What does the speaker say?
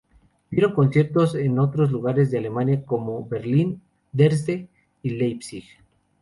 Dieron conciertos en otros lugares de Alemania, como Berlín, Dresde y Leipzig.